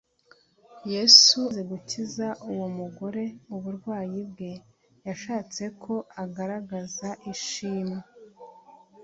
yesu amaze gukiza uwo mugore uburwayi bwe, yashatse ko agaragaza ishimwe